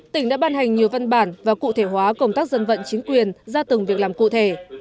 tỉnh đã ban hành nhiều văn bản và cụ thể hóa công tác dân vận chính quyền ra từng việc làm cụ thể